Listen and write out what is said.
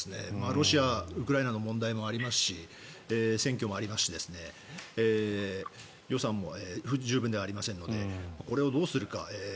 ロシア、ウクライナの問題もありますし選挙もありますし予算も十分ではありませんのでこれをどうするか。